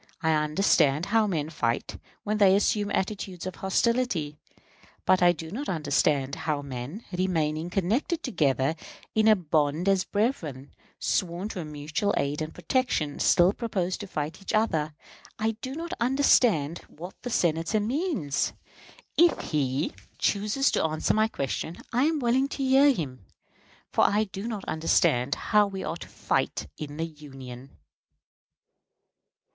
I understand how men fight when they assume attitudes of hostility; but I do not understand how men, remaining connected together in a bond as brethren, sworn to mutual aid and protection, still propose to fight each other. I do not understand what the Senator means. If he chooses to answer my question, I am willing to hear him, for I do not understand how we are to fight in the Union.